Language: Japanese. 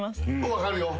分かるよ。